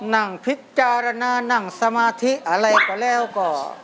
นั่งพิจารณานั่งสมาธิอะไรก็แล้วก็